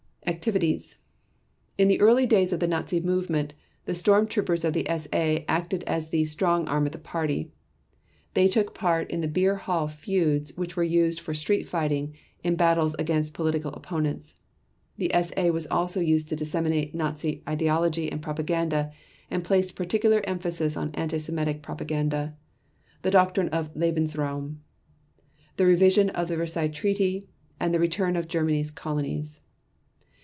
Activities: In the early days of the Nazi movement the storm troopers of the SA acted as the "strong arm of the Party". They took part in the beer hall feuds and were used for street fighting in battles against political opponents. The SA was also used to disseminate Nazi ideology and propaganda and placed particular emphasis on anti Semitic propaganda, the doctrine of "Lebensraum", the revision of the Versailles Treaty, and the return of Germany's colonies.